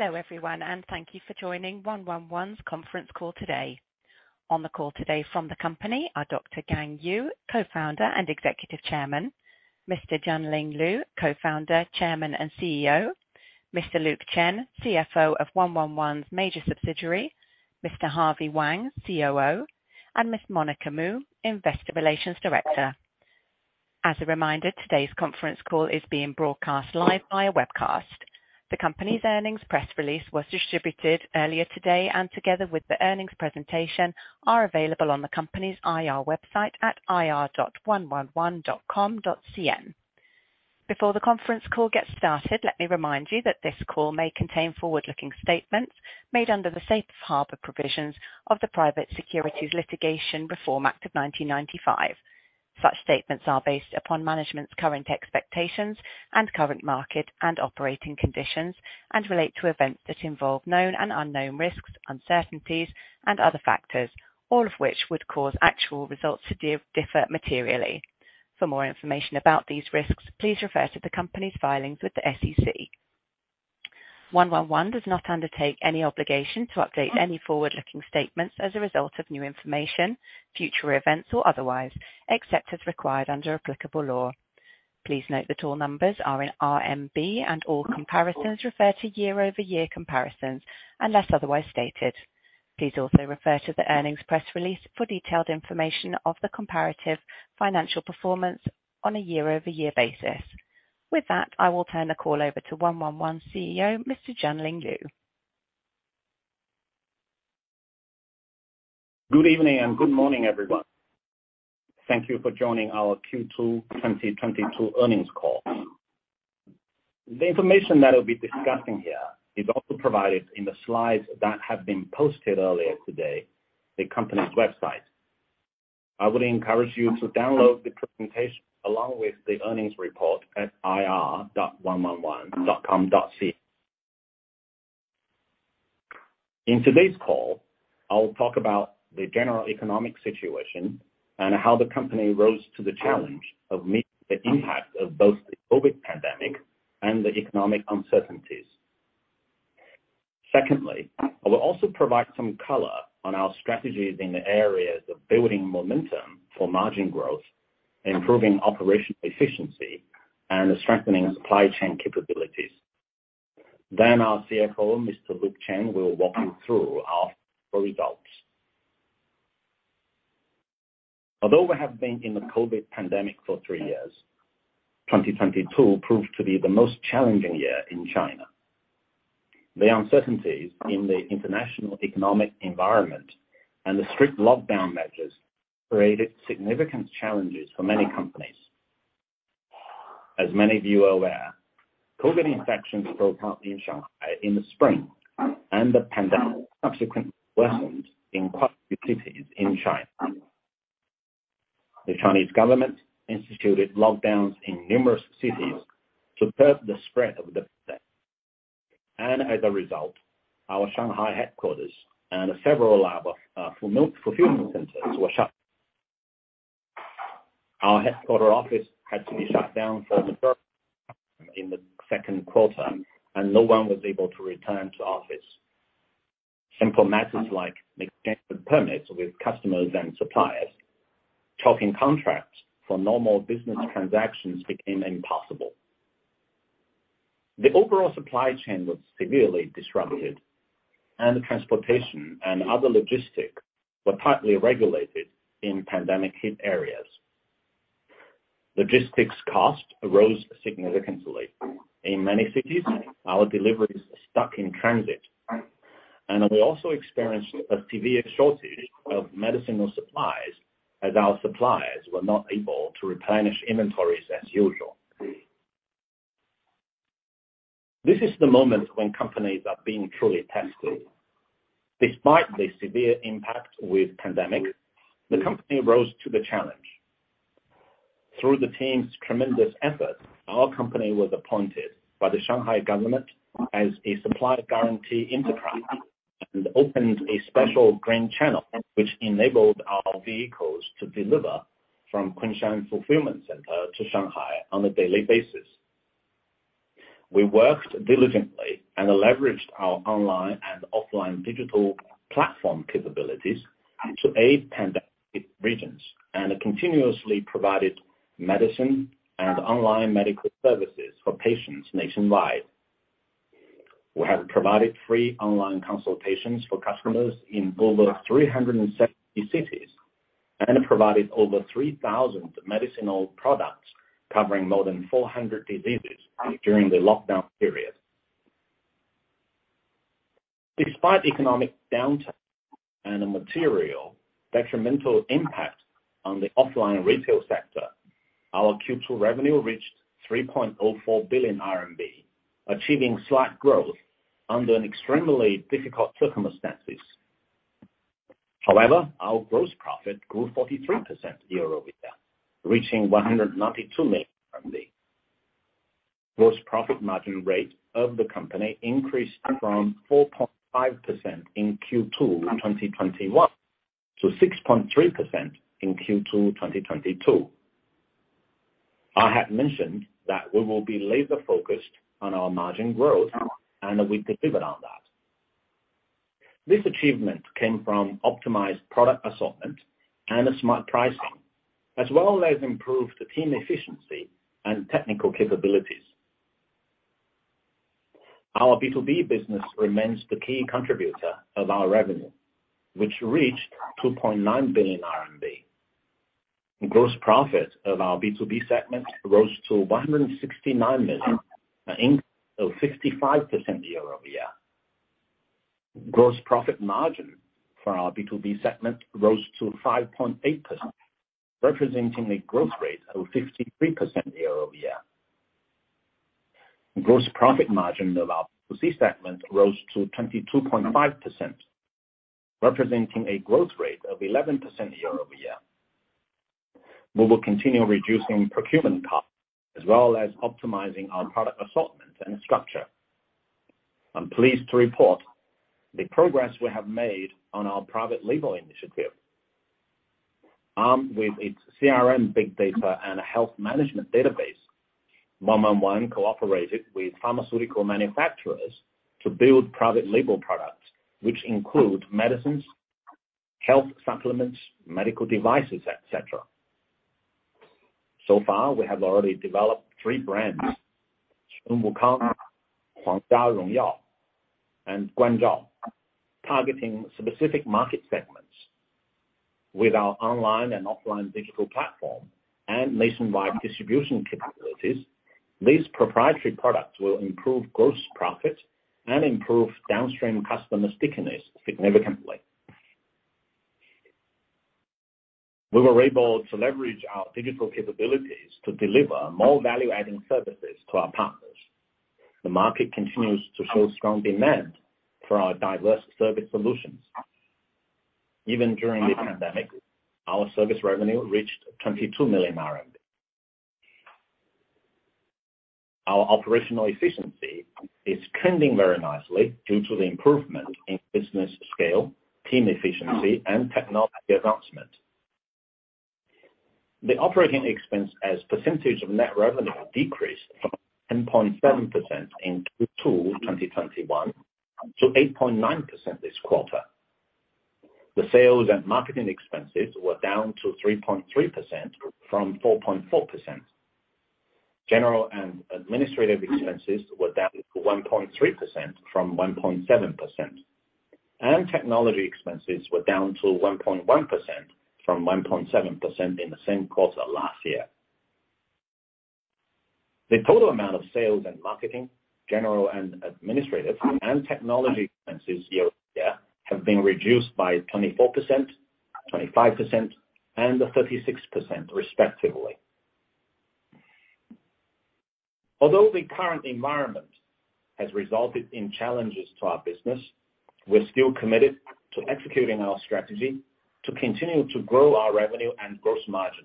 Hello everyone, and thank you for joining 111, Inc.'s conference call today. On the call today from the company are Dr. Gang Yu, co-founder and executive chairman. Mr. Junling Liu, co-founder, chairman, and CEO. Mr. Luke Chen, CFO of 111, Inc.'s major subsidiary. Mr. Haihui Wang, COO. Ms. Monica Mu, investor relations director. Today's conference call is being broadcast live via webcast. The company's earnings press release was distributed earlier today and together with the earnings presentation, are available on the company's IR website at ir.111.com.cn. Before the conference call gets started, let me remind you that this call may contain forward-looking statements made under the safe harbor provisions of the Private Securities Litigation Reform Act of 1995. Such statements are based upon management's current expectations and current market and operating conditions, and relate to events that involve known and unknown risks, uncertainties, and other factors, all of which would cause actual results to differ materially. For more information about these risks, please refer to the company's filings with the SEC. 111 does not undertake any obligation to update any forward-looking statements as a result of new information, future events, or otherwise, except as required under applicable law. Please note that all numbers are in RMB and all comparisons refer to year-over-year comparisons unless otherwise stated. Please also refer to the earnings press release for detailed information of the comparative financial performance on a year-over-year basis. With that, I will turn the call over to 111 CEO, Mr. Junling Liu. Good evening and good morning, everyone. Thank you for joining our Q2 2022 earnings call. The information that we'll be discussing here is also provided in the slides that have been posted earlier today on the company's website. I would encourage you to download the presentation along with the earnings report at ir.111.com.cn. In today's call, I will talk about the general economic situation and how the company rose to the challenge of meeting the impact of both the COVID pandemic and the economic uncertainties. Secondly, I will also provide some color on our strategies in the areas of building momentum for margin growth, improving operational efficiency, and strengthening supply chain capabilities. Our CFO, Mr. Luke Chen, will walk you through our results. Although we have been in the COVID pandemic for 3 years, 2022 proved to be the most challenging year in China. The uncertainties in the international economic environment and the strict lockdown measures created significant challenges for many companies. As many of you are aware, COVID infections broke out in Shanghai in the spring, and the pandemic subsequently worsened in quite a few cities in China. The Chinese government instituted lockdowns in numerous cities to curb the spread of the pandemic. As a result, our Shanghai headquarters and several of our fulfillment centers were shut. Our headquarters office had to be shut down for the first time in the Q2, and no one was able to return to office. Simple matters like exchanging permits with customers and suppliers, signing contracts for normal business transactions became impossible. The overall supply chain was severely disrupted, and the transportation and other logistics were tightly regulated in pandemic-hit areas. Logistics costs rose significantly. In many cities, our deliveries were stuck in transit. We also experienced a severe shortage of medicinal supplies as our suppliers were not able to replenish inventories as usual. This is the moment when companies are being truly tested. Despite the severe impact of the pandemic, the company rose to the challenge. Through the team's tremendous effort, our company was appointed by the Shanghai government as a supply guarantee enterprise and opened a special green channel which enabled our vehicles to deliver from Kunshan fulfillment center to Shanghai on a daily basis. We worked diligently and leveraged our online and offline digital platform capabilities to aid pandemic regions and continuously provided medicine and online medical services for patients nationwide. We have provided free online consultations for customers in over 370 cities, and provided over 3,000 medicinal products covering more than 400 diseases during the lockdown period. Despite economic downturn and the material detrimental impact on the offline retail sector, our Q2 revenue reached 3.04 billion RMB, achieving slight growth under an extremely difficult circumstances. However, our gross profit grew 43% year-over-year, reaching RMB 192 million. Gross profit margin rate of the company increased from 4.5% in Q2 2021 to 6.3% in Q2 2022. I had mentioned that we will be laser focused on our margin growth and that we could pivot on that. This achievement came from optimized product assortment and a smart pricing, as well as improved team efficiency and technical capabilities. Our B2B business remains the key contributor of our revenue, which reached 2.9 billion RMB. The gross profit of our B2B segment rose to 169 million, an increase of 55% year-over-year. Gross profit margin for our B2B segment rose to 5.8%, representing a growth rate of 53% year-over-year. Gross profit margin of our B2C segment rose to 22.5%, representing a growth rate of 11% year-over-year. We will continue reducing procurement costs, as well as optimizing our product assortment and structure. I'm pleased to report the progress we have made on our private label initiative. Armed with its CRM big data and a health management database, 111, Inc. cooperated with pharmaceutical manufacturers to build private label products which include medicines, health supplements, medical devices, et cetera. So far, we have already developed three brands, Guanzhao, Huangjiajiao, and Shengwukang, targeting specific market segments. With our online and offline digital platform and nationwide distribution capabilities, these proprietary products will improve gross profit and improve downstream customer stickiness significantly. We were able to leverage our digital capabilities to deliver more value-adding services to our partners. The market continues to show strong demand for our diverse service solutions. Even during the pandemic, our service revenue reached 22 million RMB. Our operational efficiency is trending very nicely due to the improvement in business scale, team efficiency, and technology advancement. The operating expense as percentage of net revenue decreased from 10.7% in Q2 2021 to 8.9% this quarter. The sales and marketing expenses were down to 3.3% from 4.4%. General and administrative expenses were down to 1.3% from 1.7%, and technology expenses were down to 1.1% from 1.7% in the same quarter last year. The total amount of sales and marketing, general and administrative, and technology expenses year-over-year have been reduced by 24%, 25%, and 36% respectively. Although the current environment has resulted in challenges to our business, we're still committed to executing our strategy to continue to grow our revenue and gross margin.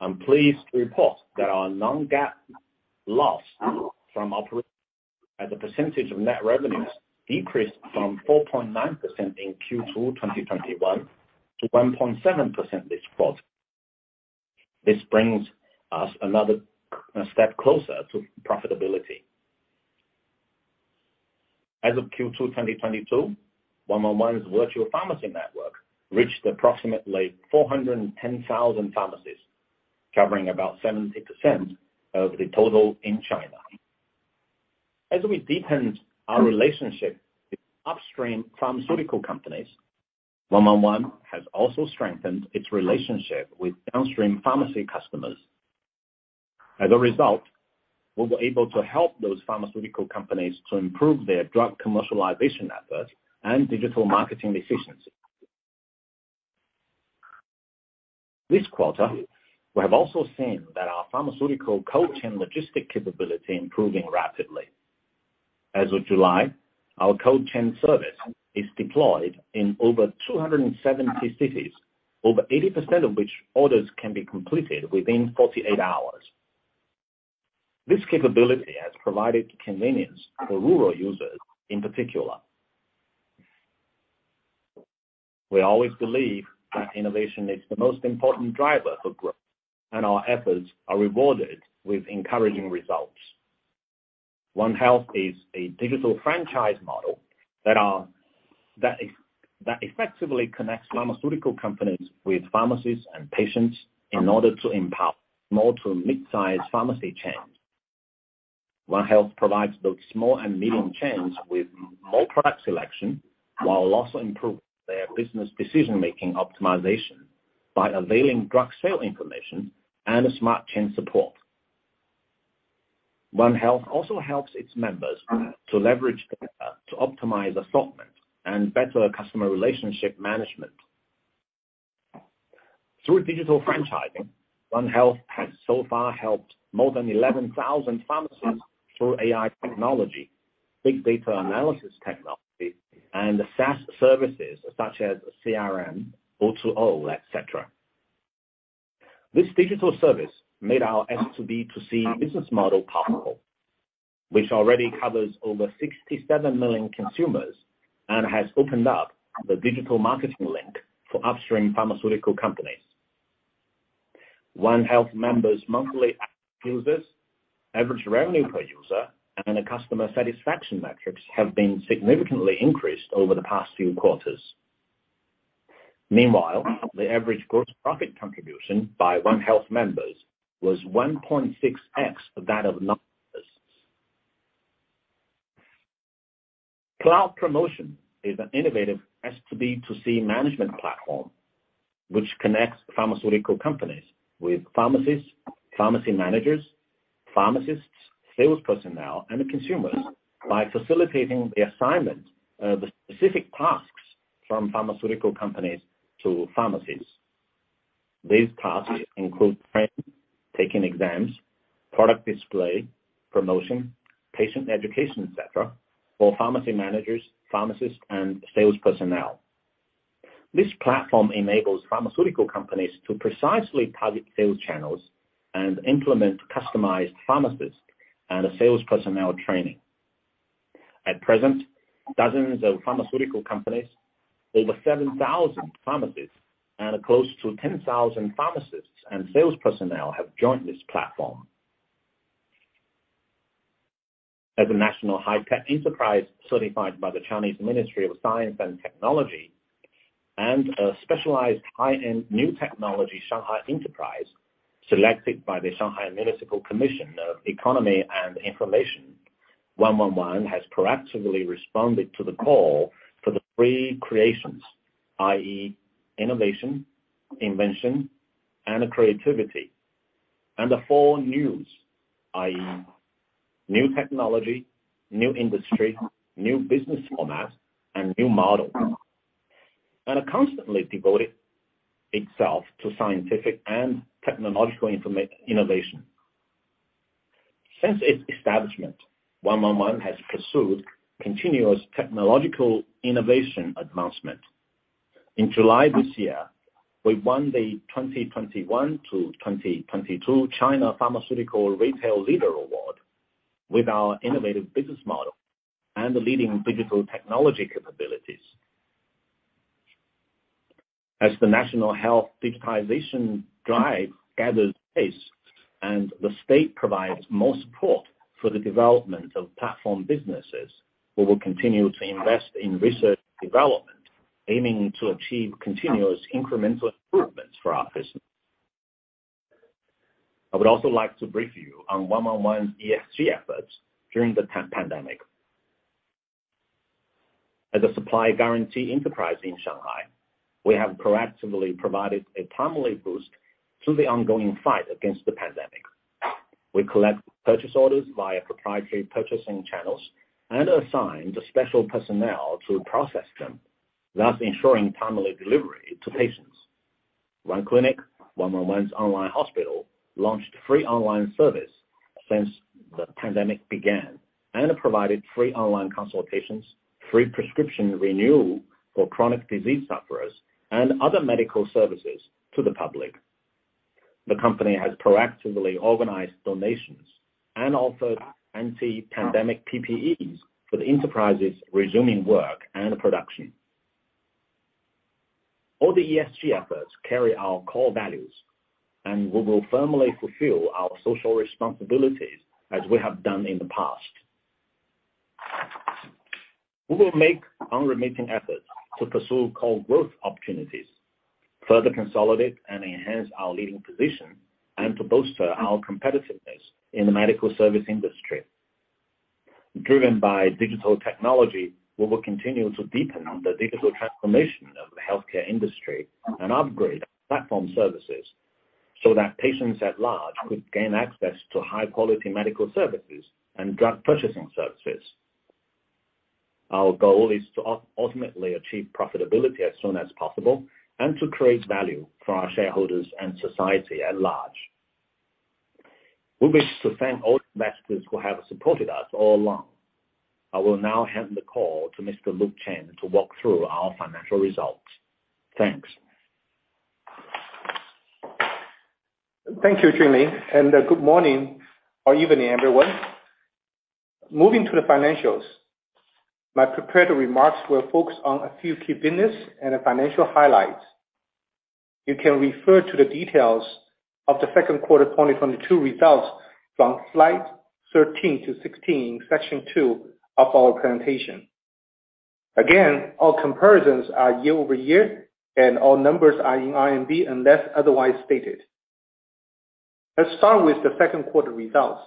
I'm pleased to report that our non-GAAP loss from operations as a percentage of net revenues decreased from 4.9% in Q2 2021 to 1.7% this quarter. This brings us another step closer to profitability. As of Q2 2022, 111, Inc.'s virtual pharmacy network reached approximately 410,000 pharmacies, covering about 70% of the total in China. As we deepened our relationship with upstream pharmaceutical companies, 111, Inc. has also strengthened its relationship with downstream pharmacy customers. As a result, we were able to help those pharmaceutical companies to improve their drug commercialization efforts and digital marketing efficiency. This quarter, we have also seen that our pharmaceutical cold chain logistic capability improving rapidly. As of July, our cold chain service is deployed in over 270 cities, over 80% of which orders can be completed within 48 hours. This capability has provided convenience for rural users in particular. We always believe that innovation is the most important driver for growth, and our efforts are rewarded with encouraging results. 1 Health is a digital franchise model that effectively connects pharmaceutical companies with pharmacies and patients in order to empower small to mid-size pharmacy chains. 1 Health provides both small and medium chains with more product selection, while also improve their business decision-making optimization by availing drug sale information and smart chain support. 1 Health also helps its members to leverage data to optimize assortment and better customer relationship management. Through digital franchising, 1 Health has so far helped more than 11,000 pharmacies through AI technology, big data analysis technology, and the SaaS services such as CRM, O2O, etc. This digital service made our S2B2C business model possible, which already covers over 67 million consumers and has opened up the digital marketing link for upstream pharmaceutical companies. 1 Health members monthly active users, average revenue per user, and the customer satisfaction metrics have been significantly increased over the past few quarters. Meanwhile, the average gross profit contribution by 1 Health members was 1.6x that of non-members. Cloud Promotion is an innovative S2B2C management platform, which connects pharmaceutical companies with pharmacies, pharmacy managers, pharmacists, sales personnel, and the consumers by facilitating the assignment of the specific tasks from pharmaceutical companies to pharmacies. These tasks include training, taking exams, product display, promotion, patient education, et cetera, for pharmacy managers, pharmacists and sales personnel. This platform enables pharmaceutical companies to precisely target sales channels and implement customized pharmacist and sales personnel training. At present, dozens of pharmaceutical companies, over 7,000 pharmacies, and close to 10,000 pharmacists and sales personnel have joined this platform. As a national high tech enterprise certified by the Chinese Ministry of Science and Technology, and a specialized high-end new technology Shanghai enterprise selected by the Shanghai Municipal Commission of Economy and Informatization, 111, Inc. has proactively responded to the call for the three creations, i.e. innovation, invention, and creativity, and the four news, i.e. new technology, new industry, new business format, and new model, and constantly devoted itself to scientific and technological innovation. Since its establishment, 111, Inc. has pursued continuous technological innovation advancement. In July this year, we won the 2021-2022 China Pharmaceutical Retail Leader Award with our innovative business model and the leading digital technology capabilities. As the national health digitization drive gathers pace and the state provides more support for the development of platform businesses, we will continue to invest in research development, aiming to achieve continuous incremental improvements for our business. I would also like to brief you on 111, Inc. ESG efforts during the time of pandemic. As a supply guarantee enterprise in Shanghai, we have proactively provided a timely boost to the ongoing fight against the pandemic. We collect purchase orders via proprietary purchasing channels and assigned special personnel to process them, thus ensuring timely delivery to patients. 1 Clinic, 111, Inc.'s online hospital, launched free online service since the pandemic began, and provided free online consultations, free prescription renewal for chronic disease sufferers, and other medical services to the public. The company has proactively organized donations and offered anti-pandemic PPEs for the enterprises resuming work and production. All the ESG efforts carry our core values, and we will firmly fulfill our social responsibilities as we have done in the past. We will make unremitting efforts to pursue core growth opportunities, further consolidate and enhance our leading position, and to bolster our competitiveness in the medical service industry. Driven by digital technology, we will continue to deepen the digital transformation of the healthcare industry and upgrade platform services so that patients at large could gain access to high quality medical services and drug purchasing services. Our goal is to ultimately achieve profitability as soon as possible and to create value for our shareholders and society at large. We wish to thank all investors who have supported us all along. I will now hand the call to Mr. Luke Chen to walk through our financial results. Thanks. Thank you, Junling Liu, and good morning or evening, everyone. Moving to the financials, my prepared remarks will focus on a few key business and the financial highlights. You can refer to the details of the Q2 2022 results from slide 13 to 16, section 2 of our presentation. Again, all comparisons are year-over-year, and all numbers are in RMB unless otherwise stated. Let's start with the Q2 results.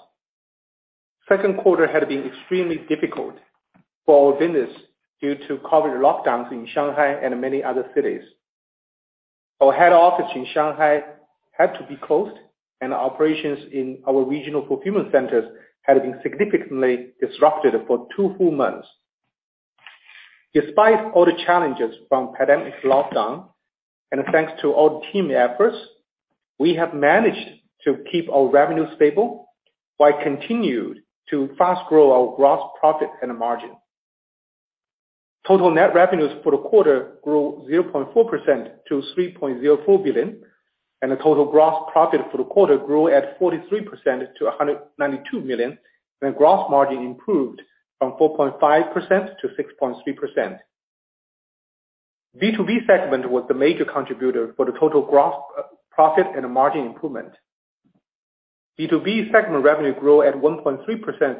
Q2 had been extremely difficult for our business due to COVID lockdowns in Shanghai and many other cities. Our head office in Shanghai had to be closed, and operations in our regional fulfillment centers had been significantly disrupted for 2 full months. Despite all the challenges from pandemic lockdown, and thanks to all team efforts, we have managed to keep our revenue stable while continued to fast-grow our gross profit and margin. Total net revenues for the quarter grew 0.4% to 3.04 billion. The total gross profit for the quarter grew at 43% to 192 million. Gross margin improved from 4.5% to 6.3%. B2B segment was the major contributor for the total gross profit and the margin improvement. B2B segment revenue grew at 1.3%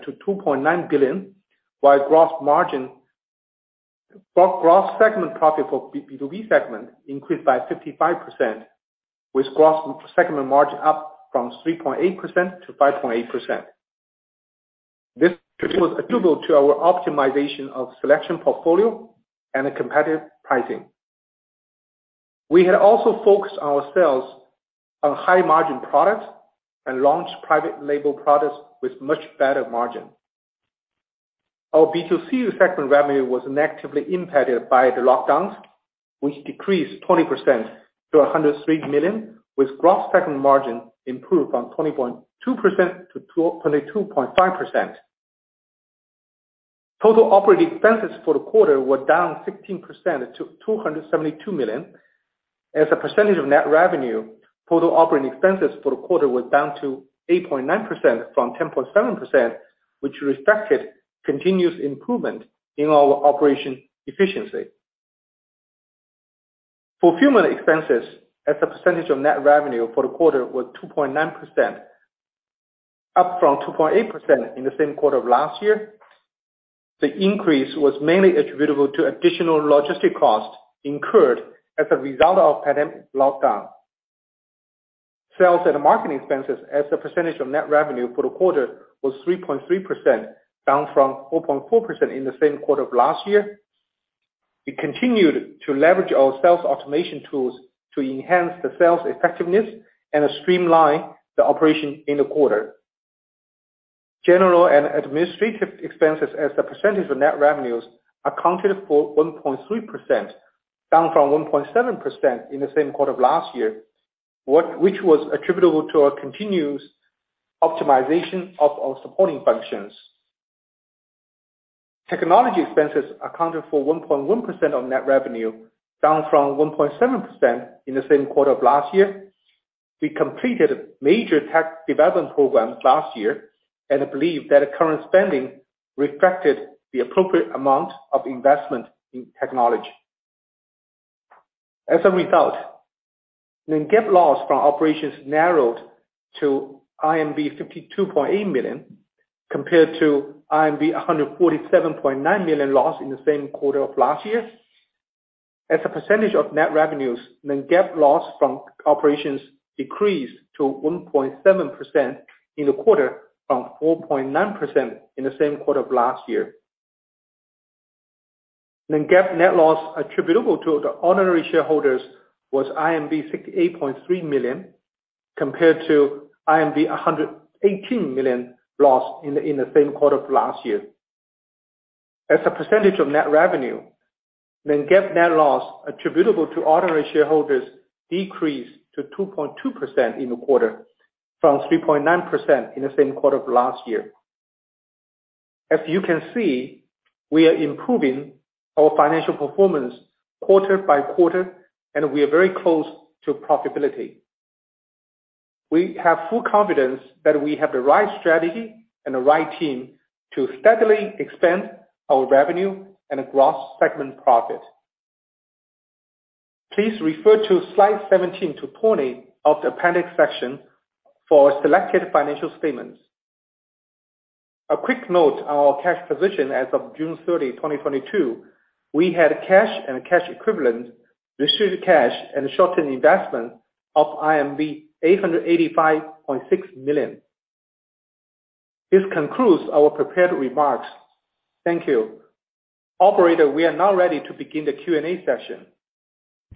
to 2.9 billion, while gross margin for gross segment profit for B2B segment increased by 55% with gross segment margin up from 3.8% to 5.8%. This was attributable to our optimization of selection portfolio and a competitive pricing. We had also focused ourselves on high margin products and launched private label products with much better margin. Our B2C segment revenue was negatively impacted by the lockdowns, which decreased 20% to 103 million, with gross segment margin improved from 20.2% to 22.5%. Total operating expenses for the quarter were down 16% to 272 million. As a percentage of net revenue, total operating expenses for the quarter was down to 8.9% from 10.7%, which reflected continuous improvement in our operation efficiency. Fulfillment expenses as a percentage of net revenue for the quarter were 2.9%, up from 2.8% in the same quarter of last year. The increase was mainly attributable to additional logistic costs incurred as a result of pandemic lockdown. Sales and marketing expenses as a percentage of net revenue for the quarter was 3.3%, down from 4.4% in the same quarter of last year. We continued to leverage our sales automation tools to enhance the sales effectiveness and to streamline the operation in the quarter. General and administrative expenses as a percentage of net revenues accounted for 1.3%, down from 1.7% in the same quarter of last year. Which was attributable to our continuous optimization of our supporting functions. Technology expenses accounted for 1.1% of net revenue, down from 1.7% in the same quarter of last year. We completed major tech development programs last year and believe that the current spending reflected the appropriate amount of investment in technology. As a result, the net GAAP loss from operations narrowed to 52.8 million compared to 147.9 million loss in the same quarter of last year. As a percentage of net revenues, the net GAAP loss from operations decreased to 1.7% in the quarter, from 4.9% in the same quarter of last year. The net GAAP net loss attributable to the ordinary shareholders was 58.3 million, compared to 118 million loss in the same quarter of last year. As a percentage of net revenue, the net GAAP net loss attributable to ordinary shareholders decreased to 2.2% in the quarter, from 3.9% in the same quarter of last year. As you can see, we are improving our financial performance quarter by quarter, and we are very close to profitability. We have full confidence that we have the right strategy and the right team to steadily expand our revenue and gross segment profit. Please refer to slide 17-20 of the appendix section for selected financial statements. A quick note on our cash position as of June 30, 2022. We had cash and cash equivalents, restricted cash and short-term investments of 885.6 million. This concludes our prepared remarks. Thank you. Operator, we are now ready to begin the Q&A session.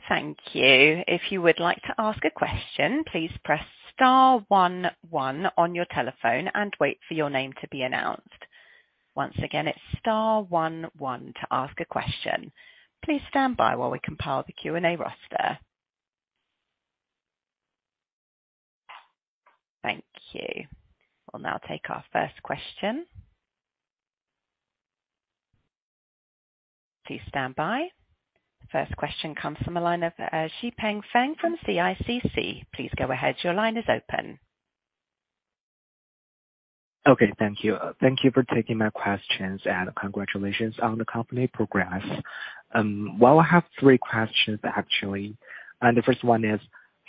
Thank you. If you would like to ask a question, please press star one one on your telephone and wait for your name to be announced. Once again, it's star one one to ask a question. Please stand by while we compile the Q&A roster. Thank you. We'll now take our first question. Please stand by. The first question comes from the line of Xipeng Feng from CICC. Please go ahead. Your line is open. Okay. Thank you. Thank you for taking my questions and congratulations on the company progress. Well, I have three questions actually. The first one is: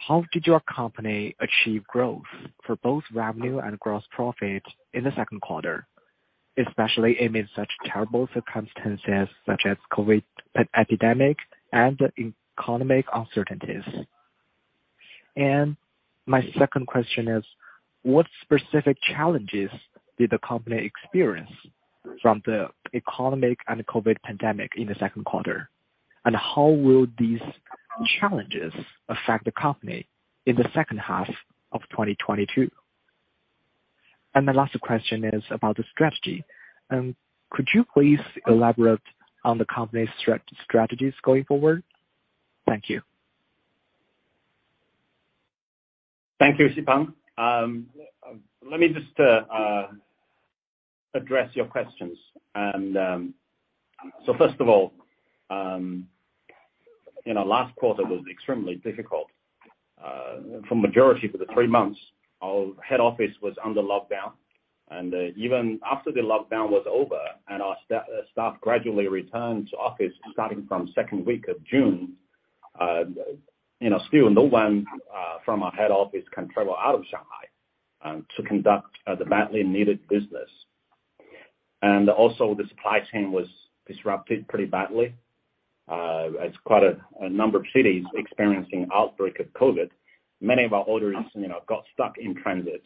How did your company achieve growth for both revenue and gross profit in the Q2, especially amid such terrible circumstances such as COVID epidemic and economic uncertainties? My second question is: What specific challenges did the company experience from the economic and the COVID pandemic in the Q2? And how will these challenges affect the company in the second half of 2022? My last question is about the strategy. Could you please elaborate on the company's strategies going forward? Thank you. Thank you, Xipeng. Let me just address your questions. First of all, you know, last quarter was extremely difficult for the majority of the three months, our head office was under lockdown. Even after the lockdown was over and our staff gradually returned to office starting from second week of June, you know, still no one from our head office can travel out of Shanghai to conduct the badly needed business. Also the supply chain was disrupted pretty badly. As quite a number of cities experiencing outbreak of COVID, many of our orders, you know, got stuck in transit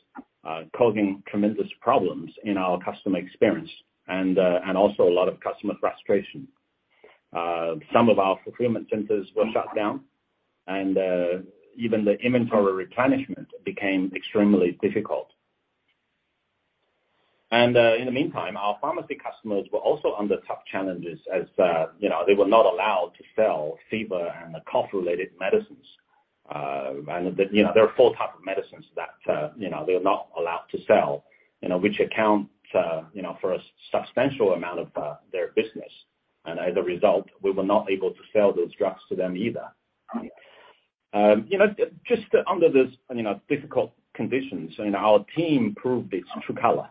causing tremendous problems in our customer experience and also a lot of customer frustration. Some of our fulfillment centers were shut down and even the inventory replenishment became extremely difficult. In the meantime, our pharmacy customers were also under tough challenges as, you know, they were not allowed to sell fever and cough-related medicines. You know, there are four type of medicines that, you know, they're not allowed to sell, you know, which accounts, you know, for a substantial amount of, their business. As a result, we were not able to sell those drugs to them either. You know, just under this, you know, difficult conditions, you know, our team proved its true color.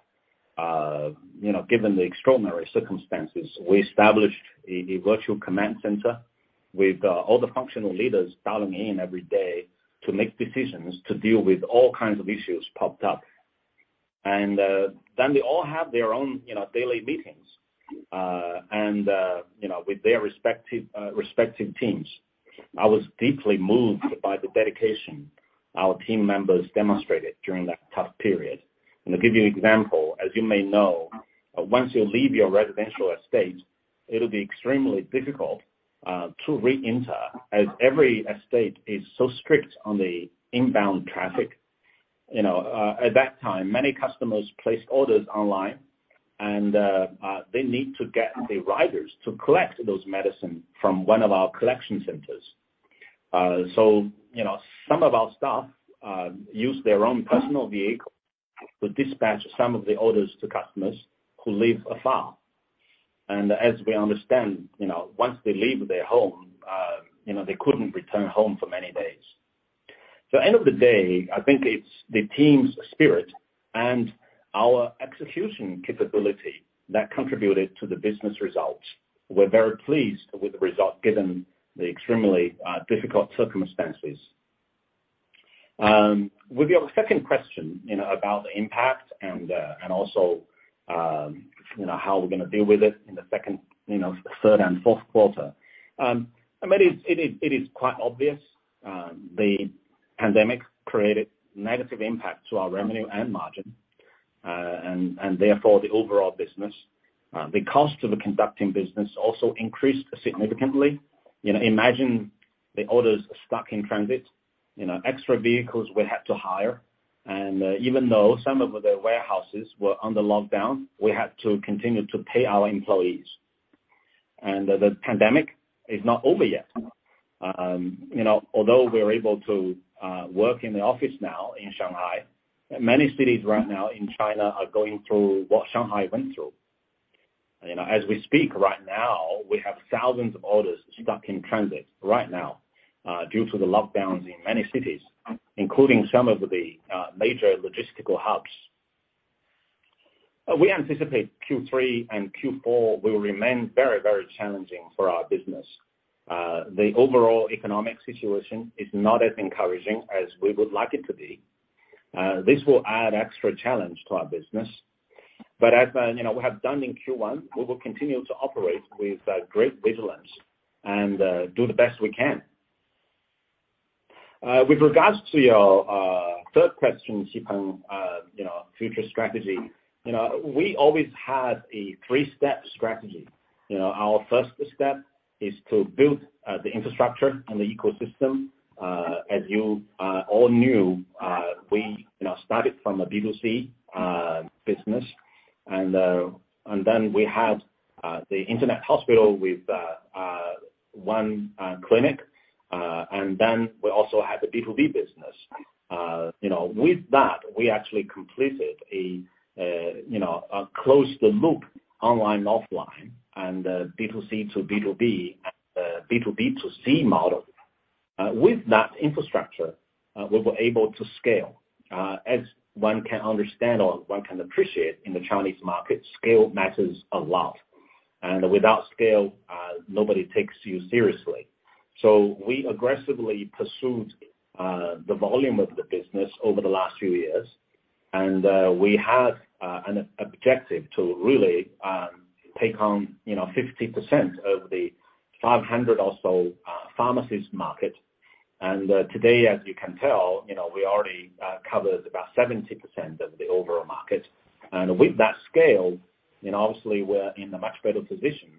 You know, given the extraordinary circumstances, we established a virtual command center with, all the functional leaders dialing in every day to make decisions to deal with all kinds of issues popped up. Then they all have their own, you know, daily meetings, and, you know, with their respective teams. I was deeply moved by the dedication our team members demonstrated during that tough period. To give you an example, as you may know, once you leave your residential estate, it'll be extremely difficult to re-enter as every estate is so strict on the inbound traffic. You know, at that time, many customers placed orders online and they need to get the riders to collect those medicine from one of our collection centers. So, you know, some of our staff used their own personal vehicle to dispatch some of the orders to customers who live afar. As we understand, you know, once they leave their home, you know, they couldn't return home for many days. End of the day, I think it's the team's spirit and our execution capability that contributed to the business results. We're very pleased with the result given the extremely difficult circumstances. With your second question, you know, about the impact and also, you know, how we're gonna deal with it in the second, you know, third and Q4. I mean, it is quite obvious, the pandemic created negative impact to our revenue and margin, and therefore the overall business. The cost of conducting business also increased significantly. You know, imagine the orders stuck in transit, you know, extra vehicles we had to hire. Even though some of the warehouses were under lockdown, we had to continue to pay our employees. The pandemic is not over yet. You know, although we're able to work in the office now in Shanghai, many cities right now in China are going through what Shanghai went through. You know, as we speak right now, we have thousands of orders stuck in transit right now, due to the lockdowns in many cities, including some of the major logistical hubs. We anticipate Q3 and Q4 will remain very, very challenging for our business. The overall economic situation is not as encouraging as we would like it to be. This will add extra challenge to our business. As you know, we have done in Q1, we will continue to operate with great vigilance and do the best we can. With regards to your third question, Xipeng, you know, future strategy. You know, we always had a three-step strategy. You know, our first step is to build the infrastructure and the ecosystem. As you all knew, we you know started from a B2C business. And then we had the internet hospital with 1 Clinic, and then we also had the B2B business. You know, with that, we actually completed a closed the loop online, offline, and B2C to B2B to C model. With that infrastructure, we were able to scale. As one can understand or one can appreciate in the Chinese market, scale matters a lot. Without scale, nobody takes you seriously. We aggressively pursued the volume of the business over the last few years. We had an objective to really take on, you know, 50% of the 500 or so pharmacist market. Today, as you can tell, you know, we already covered about 70% of the overall market. With that scale, you know, obviously we're in a much better position,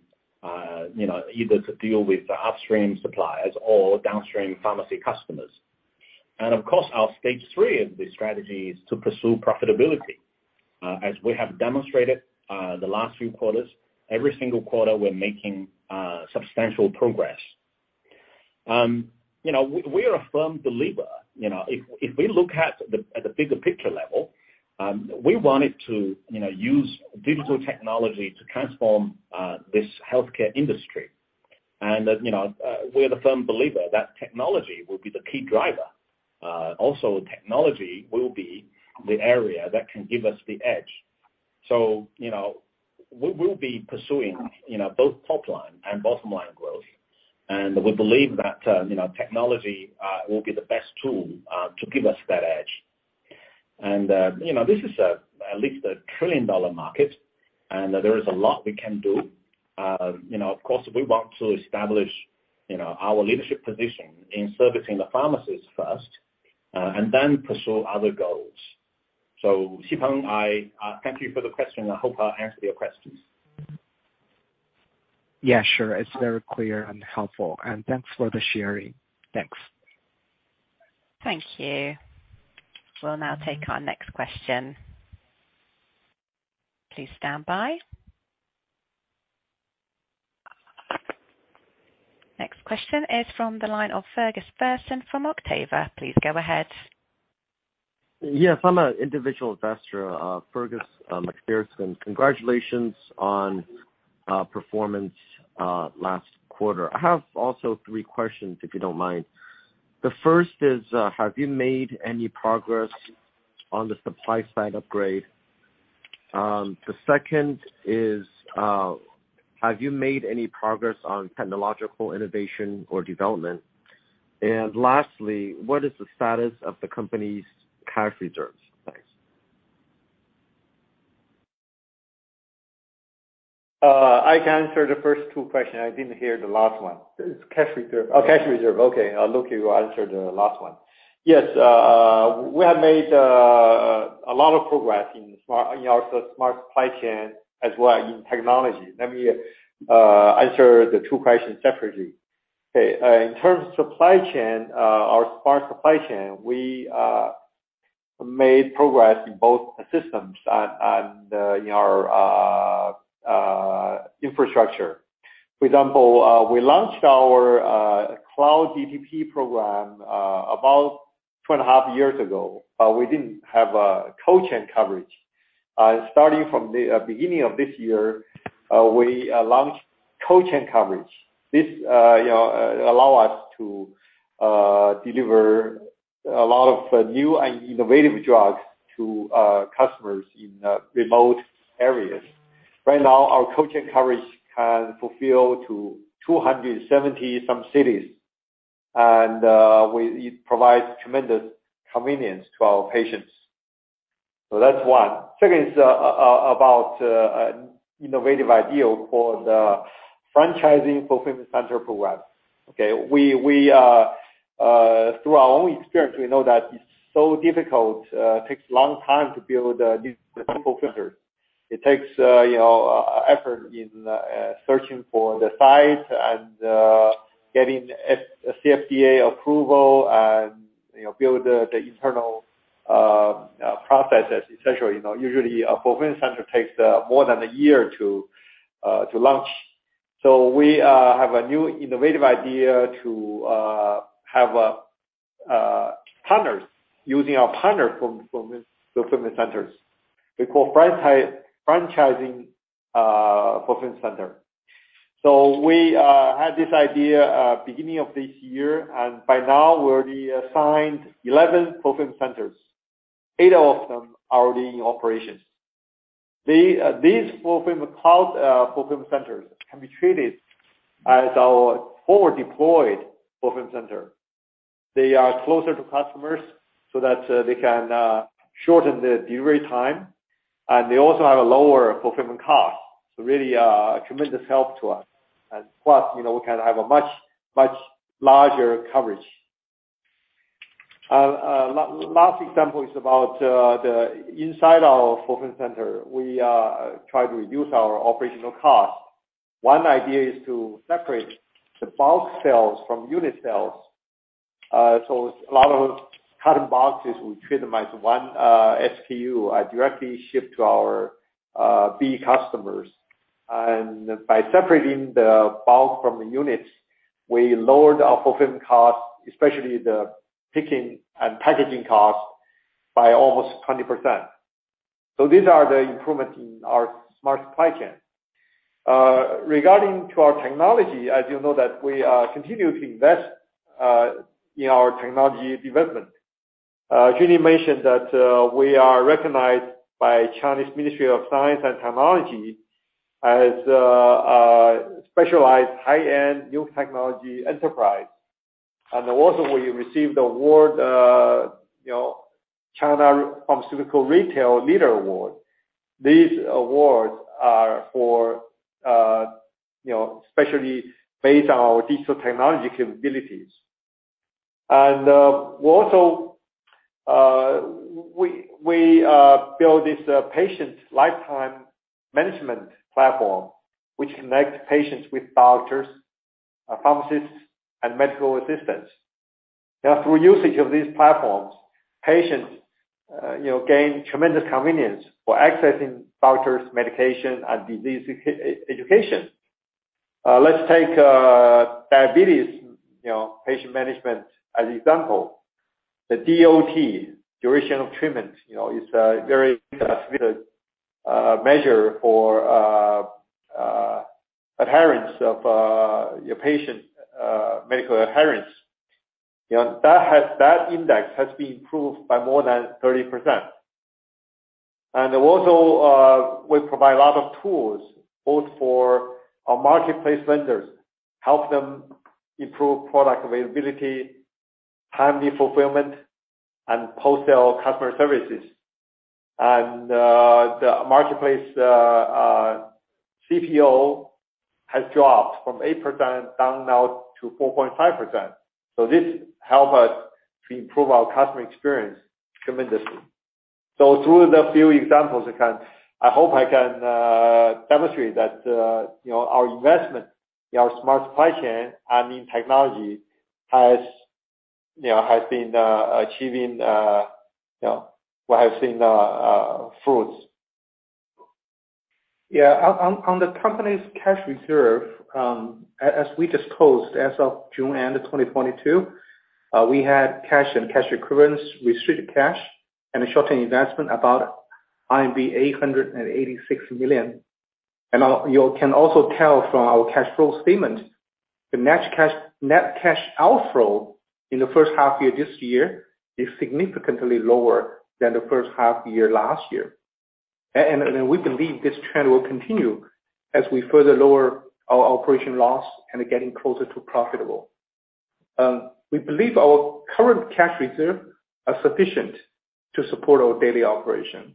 you know, either to deal with the upstream suppliers or downstream pharmacy customers. Of course, our stage three of the strategy is to pursue profitability. As we have demonstrated, the last few quarters, every single quarter we're making substantial progress. You know, we are a firm believer, you know, if we look at the bigger picture level, we wanted to, you know, use digital technology to transform this healthcare industry. You know, we're the firm believer that technology will be the key driver. Also technology will be the area that can give us the edge. You know, we will be pursuing, you know, both top line and bottom line growth. We believe that, you know, technology will be the best tool to give us that edge. You know, this is at least a trillion-dollar market, and there is a lot we can do. You know, of course, we want to establish, you know, our leadership position in servicing the pharmacist first, and then pursue other goals. Xipeng, I thank you for the question. I hope I answered your questions. Yeah, sure. It's very clear and helpful. Thanks for the sharing. Thanks. Thank you. We'll now take our next question. Please stand by. Next question is from the line of Fergus Ferguson from Octava. Please go ahead. Yes, I'm an individual investor, Fergus Ferguson. Congratulations on performance last quarter. I have also three questions, if you don't mind. The first is, have you made any progress on the supply side upgrade? The second is, have you made any progress on technological innovation or development? Lastly, what is the status of the company's cash reserves? Thanks. I can answer the first two questions. I didn't hear the last one. It's cash reserve. Cash reserve. Luke Chen, you answer the last one. Yes. We have made a lot of progress in smart, you know, smart supply chain as well in technology. Let me answer the two questions separately. In terms of supply chain, our smart supply chain, we made progress in both the systems and in our infrastructure. For example, we launched our cloud DTP program about two and a half years ago. We didn't have a cold chain coverage. Starting from the beginning of this year, we launched cold chain coverage. This, you know, allow us to deliver a lot of new and innovative drugs to customers in remote areas. Right now, our cold chain coverage can fulfill to 270-some cities, and it provides tremendous convenience to our patients. That's one. Second is about innovative idea for the franchising fulfillment center program. Okay. Through our own experience, we know that it's so difficult, takes a long time to build a simple filter. It takes, you know, effort in searching for the site and getting CFDA approval and, you know, build the internal processes, et cetera. You know, usually a fulfillment center takes more than a year to launch. So we have a new innovative idea to have partners using our partner fulfillment centers. We call franchising fulfillment center. We had this idea beginning of this year, and by now we already signed 11 fulfillment centers. Eight of them are already in operation. These fulfillment centers can be treated as our forward deployed fulfillment center. They are closer to customers so that they can shorten the delivery time, and they also have a lower fulfillment cost. Really, a tremendous help to us. Plus, you know, we can have a much larger coverage. Last example is about inside our fulfillment center, we try to reduce our operational cost. One idea is to separate the bulk sales from unit sales. A lot of carton boxes, we treat them as one SKU directly ship to our B2B customers. By separating the bulk from the units, we lowered our fulfillment costs, especially the picking and packaging costs, by almost 20%. These are the improvement in our smart supply chain. Regarding our technology, as you know that we continue to invest in our technology development. Julie mentioned that we are recognized by Chinese Ministry of Science and Technology as specialized high-end new technology enterprise. We received the award, you know, China Pharmaceutical Retail Leader Award. These awards are for, you know, especially based on our digital technology capabilities. We also build this patient lifetime management platform which connects patients with doctors, pharmacists and medical assistants. Now through usage of these platforms, patients, you know, gain tremendous convenience for accessing doctors, medication, and disease education. Let's take diabetes, you know, patient management as example. The DOT, duration of treatment, you know, is a very measure for adherence of your patient medical adherence. You know, that index has been improved by more than 30%. We provide a lot of tools both for our marketplace vendors, help them improve product availability, timely fulfillment, and post-sale customer services. The marketplace CPO has dropped from 8% down now to 4.5%. This help us to improve our customer experience tremendously. Through the few examples I can. I hope I can demonstrate that, you know, our investment in our smart supply chain and in technology has, you know, has been achieving, you know, we have seen fruits. Yeah. On the company's cash reserve, as we just closed as of June end of 2022, we had cash and cash equivalents, restricted cash, and a short-term investment about 886 million. You can also tell from our cash flow statement, the net cash outflow in the first half year this year is significantly lower than the first half year last year. We believe this trend will continue as we further lower our operation loss and getting closer to profitable. We believe our current cash reserve are sufficient to support our daily operation.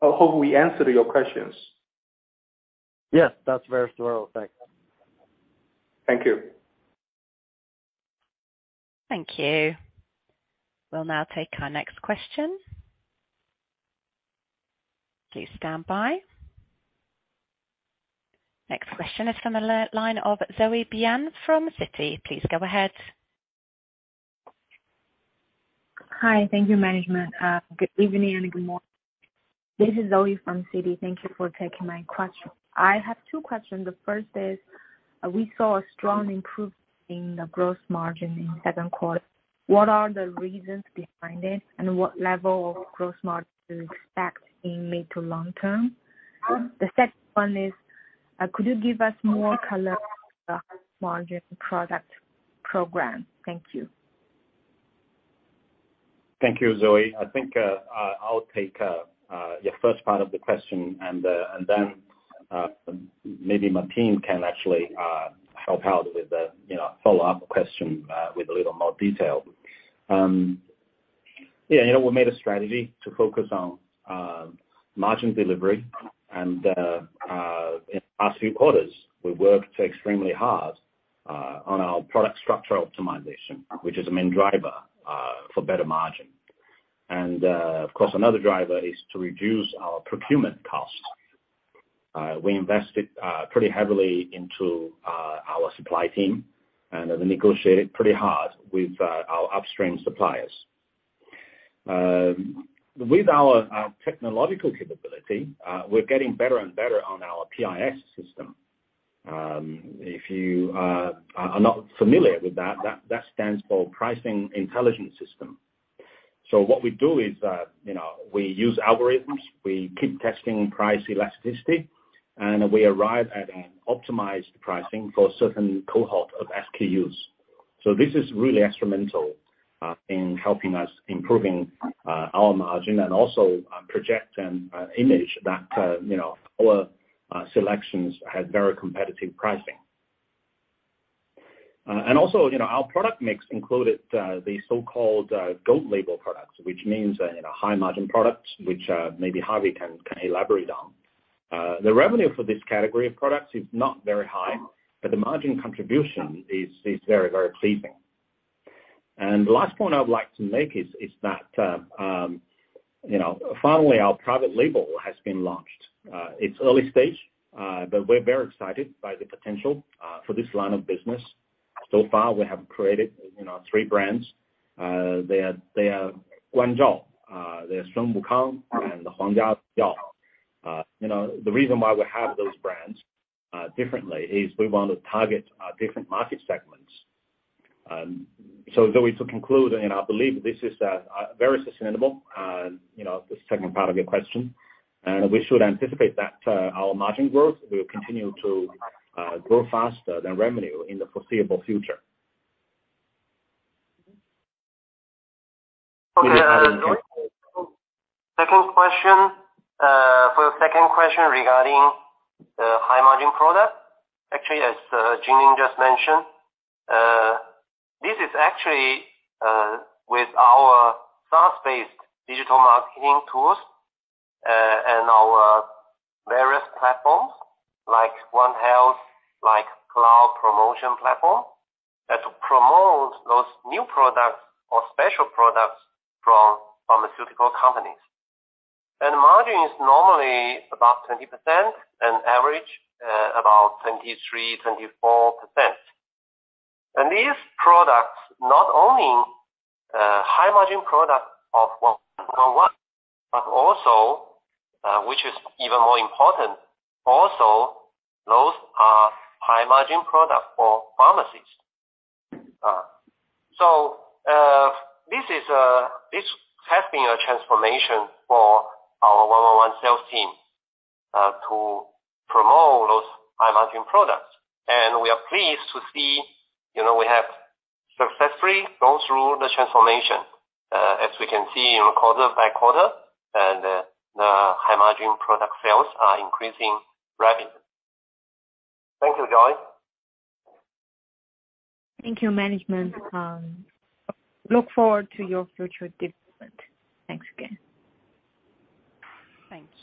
I hope we answered your questions. Yes, that's very thorough. Thanks. Thank you. Thank you. We'll now take our next question. Please stand by. Next question is from the line of Zoe Bian from Citi. Please go ahead. Hi. Thank you management. Good evening and good morning. This is Zoe from Citi. Thank you for taking my question. I have two questions. The first is, we saw a strong improvement in the gross margin in Q2. What are the reasons behind it, and what level of gross margin do you expect in mid to long term? The second one is, could you give us more color on the margin product program? Thank you. Thank you, Zoe. I think I'll take your first part of the question and then maybe my team can actually help out with the, you know, follow-up question with a little more detail. Yeah, you know, we made a strategy to focus on margin delivery and in the past few quarters, we worked extremely hard on our product structure optimization, which is a main driver for better margin. Of course, another driver is to reduce our procurement costs. We invested pretty heavily into our supply team, and they negotiate pretty hard with our upstream suppliers. With our technological capability, we're getting better and better on our PIS system. If you are not familiar with that stands for Pricing Intelligence System. What we do is that, you know, we use algorithms, we keep testing price elasticity, and we arrive at an optimized pricing for a certain cohort of SKUs. This is really instrumental in helping us improving our margin and also project an image that, you know, our selections have very competitive pricing. Also, you know, our product mix included the so-called gold label products, which means, you know, high margin products, which maybe Harvey can elaborate on. The revenue for this category of products is not very high, but the margin contribution is very, very pleasing. The last point I would like to make is that, you know, finally our private label has been launched. It's early stage, but we're very excited by the potential for this line of business. So far, we have created, you know, three brands. They are Guanzhao, Shengwukang, and Huangjiajiao. You know, the reason why we have those brands differently is we want to target different market segments. Zoe to conclude, and I believe this is very sustainable, you know, the second part of your question, and we should anticipate that our margin growth will continue to grow faster than revenue in the foreseeable future. Okay. Second question. For the second question regarding the high margin product. Actually, as Junling Liu just mentioned, this is actually with our SaaS-based digital marketing tools, and our various platforms like 1 Health, like Cloud Promotion, that promote those new products or special products from pharmaceutical companies. Margin is normally about 20% and average about 23%-24%. These products not only high-margin product of 111, but also, which is even more important, those are high-margin product for pharmacies. This has been a transformation for our 111 sales team to promote those high-margin products. We are pleased to see, you know, we have successfully gone through the transformation as we can see quarter by quarter and the high-margin product sales are increasing rapidly. Thank you, Zoe Bian. Thank you, management. Look forward to your future development. Thanks again.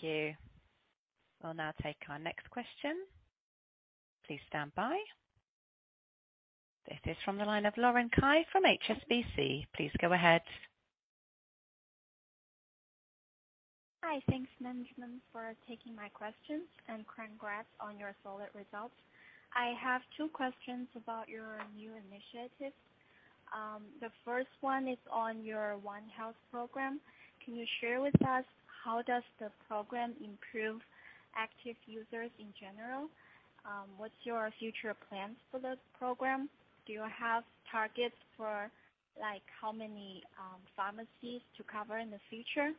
Thank you. We'll now take our next question. Please stand by. This is from the line of Lauren Cai from HSBC. Please go ahead. Hi. Thanks, management, for taking my questions and congrats on your solid results. I have two questions about your new initiatives. The first one is on your 1 Health program. Can you share with us how does the program improve active users in general? What's your future plans for this program? Do you have targets for, like, how many pharmacies to cover in the future?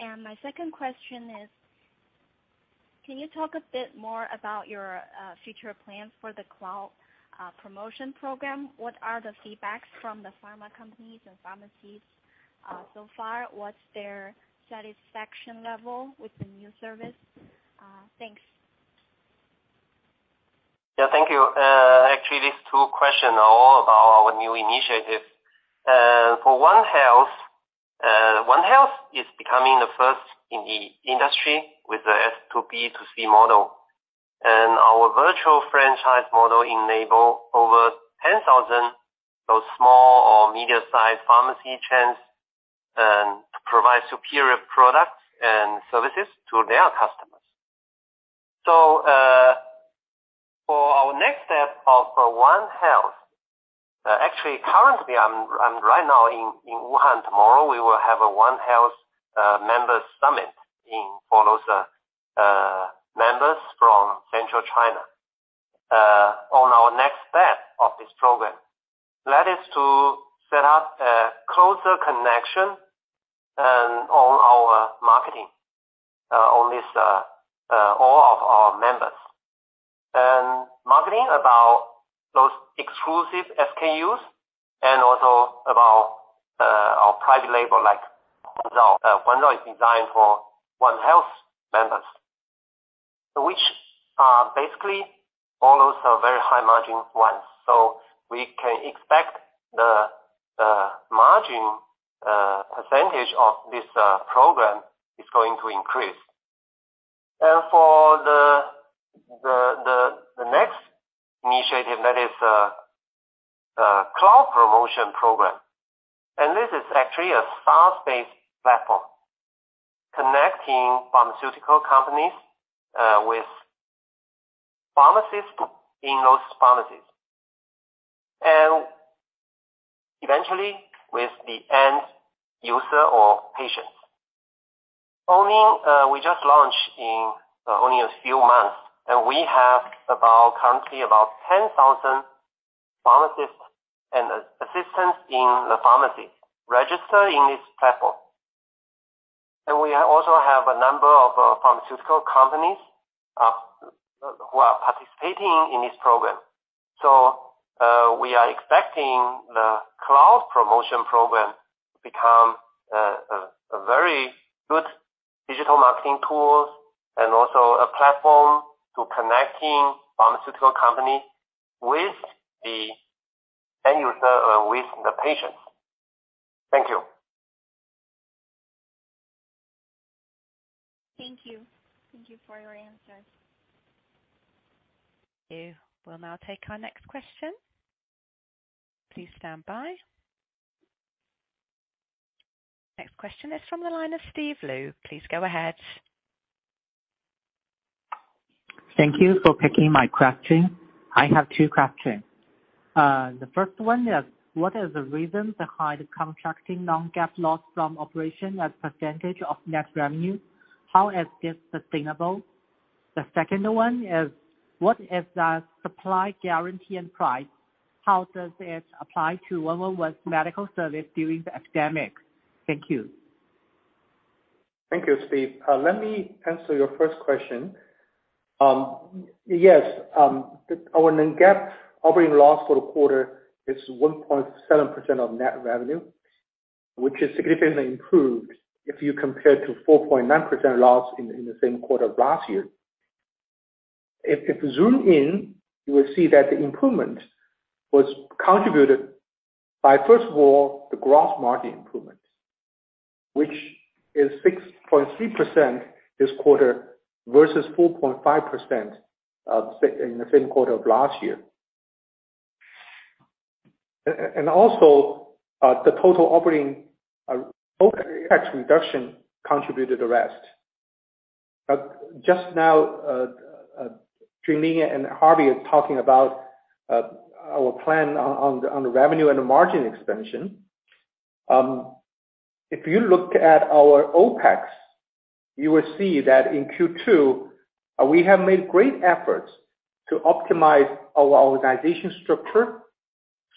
My second question is, can you talk a bit more about your future plans for the Cloud Promotion program? What are the feedbacks from the pharma companies and pharmacies so far? What's their satisfaction level with the new service? Thanks. Yeah. Thank you. Actually, these two questions are all about our new initiatives. For 1 Health. 1 Health is becoming the first in the industry with the S2B2C model. Our virtual franchise model enable over 10,000 small or medium-sized pharmacy chains to provide superior products and services to their customers. For our next step of the 1 Health. Actually, currently, I'm right now in Wuhan. Tomorrow we will have a 1 Health members summit for those members from central China on our next step of this program. That is to set up a closer connection and on our marketing on this all of our members. Marketing about those exclusive SKUs and also about our private label like Guanzhao. Guanzhao is designed for 1 Health members, which are basically all those very high-margin ones. We can expect the margin percentage of this program is going to increase. For the next initiative, that is cloud promotion program. This is actually a SaaS-based platform connecting pharmaceutical companies with pharmacists in those pharmacies, and eventually with the end user or patients. Only we just launched in only a few months, and we have currently about 10,000 pharmacists and assistants in the pharmacy registered in this platform. We also have a number of pharmaceutical companies who are participating in this program. We are expecting the Cloud Promotion program to become a very good digital marketing tool and also a platform to connecting pharmaceutical company with the end user, with the patients. Thank you. Thank you. Thank you for your answers. We will now take our next question. Please stand by. Next question is from the line of Steve Liu. Please go ahead. Thank you for taking my question. I have two questions. The first one is, what is the reason behind contracting non-GAAP loss from operations as percentage of net revenue? How is this sustainable? The second one is, what is the supply guarantee enterprise? How does it apply to 111's medical service during the pandemic? Thank you. Thank you, Steve. Let me answer your first question. Yes. Our non-GAAP operating loss for the quarter is 1.7% of net revenue, which has significantly improved if you compare to 4.9% loss in the same quarter of last year. If you zoom in, you will see that the improvement was contributed by, first of all, the gross margin improvements, which is 6.3% this quarter versus 4.5% in the same quarter of last year. the total operating OPEX reduction contributed the rest. Just now, Junling and Haihui are talking about our plan on the revenue and the margin expansion. If you look at our OPEX, you will see that in Q2, we have made great efforts to optimize our organization structure,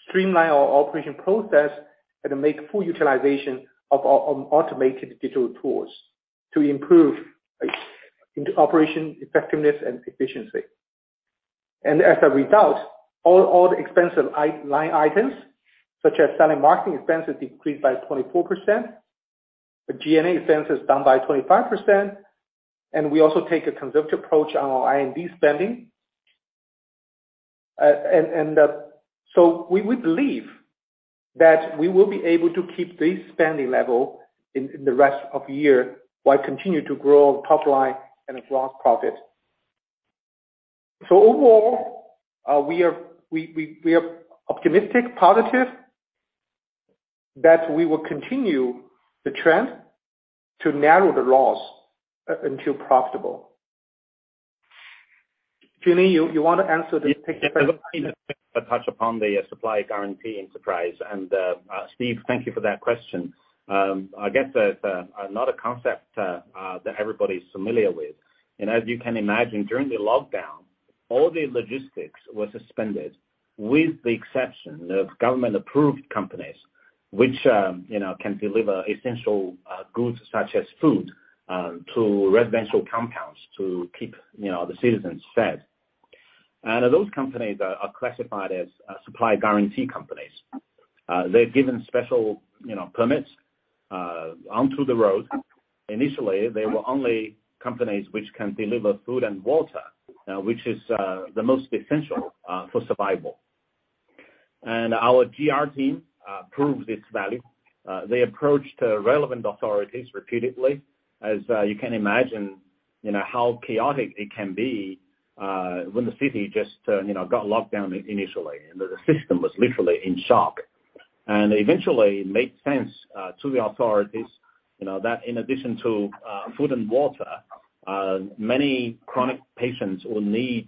streamline our operation process, and make full utilization of our automated digital tools to improve operation effectiveness and efficiency. As a result, all the expensive line items such as selling and marketing expenses decreased by 24%, the G&A expense is down by 24%, and we also take a conservative approach on our R&D spending. We would believe that we will be able to keep this spending level in the rest of the year while continuing to grow top line and gross profit. Overall, we are optimistic, positive that we will continue the trend to narrow the loss until profitable. Junling Liu, you want to answer this. Touch upon the supply guarantee enterprise. Steve, thank you for that question. I guess that another concept that everybody's familiar with, and as you can imagine, during the lockdown, all the logistics were suspended, with the exception of government-approved companies, which you know can deliver essential goods such as food to residential compounds to keep you know the citizens fed. Those companies are classified as supply guarantee companies. They're given special you know permits onto the road. Initially, they were only companies which can deliver food and water, which is the most essential for survival. Our GR team proved this value. They approached relevant authorities repeatedly. As you can imagine, you know, how chaotic it can be when the city just you know got locked down initially, and the system was literally in shock. Eventually made sense to the authorities, you know, that in addition to food and water many chronic patients will need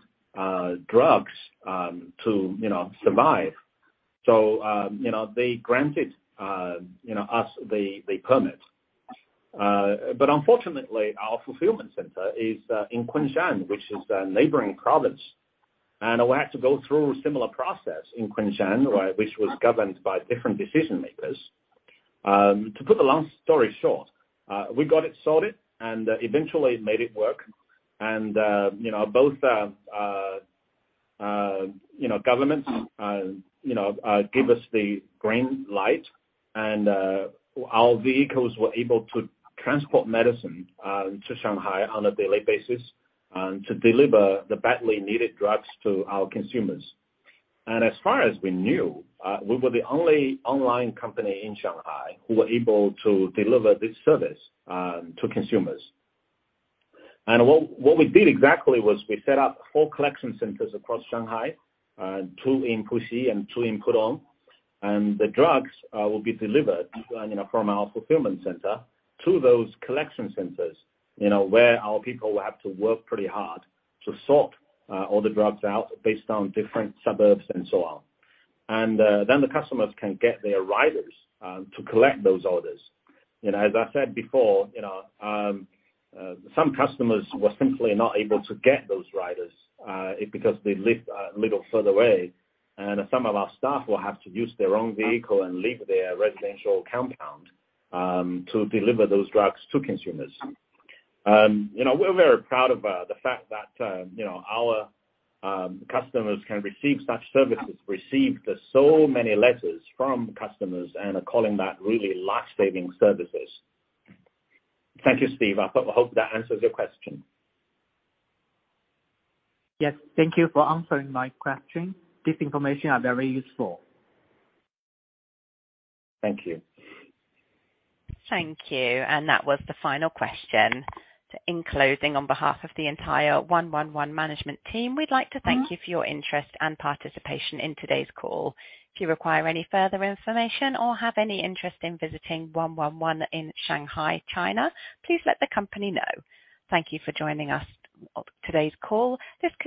drugs to you know survive. You know they granted you know us the permit. Unfortunately, our fulfillment center is in Kunshan, which is a neighboring province. We had to go through a similar process in Kunshan, right, which was governed by different decision-makers. To put the long story short, we got it sorted and eventually made it work. You know, both governments you know give us the green light and our vehicles were able to transport medicine to Shanghai on a daily basis to deliver the badly needed drugs to our consumers. As far as we knew, we were the only online company in Shanghai who were able to deliver this service to consumers. What we did exactly was we set up four collection centers across Shanghai, two in Puxi and two in Pudong. The drugs will be delivered you know from our fulfillment center to those collection centers, you know, where our people will have to work pretty hard to sort all the drugs out based on different suburbs and so on. Then the customers can get their riders to collect those orders. You know, as I said before, you know, some customers were simply not able to get those riders, because they lived a little further away. Some of our staff will have to use their own vehicle and leave their residential compound, to deliver those drugs to consumers. You know, we're very proud of the fact that, you know, our customers can receive such services. Received so many letters from customers and are calling that really life-saving services. Thank you, Steve. I hope that answers your question. Yes. Thank you for answering my question. This information are very useful. Thank you. Thank you. That was the final question. In closing, on behalf of the entire 111, Inc. management team, we'd like to thank you for your interest and participation in today's call. If you require any further information or have any interest in visiting 111, Inc. in Shanghai, China, please let the company know. Thank you for joining us on today's call.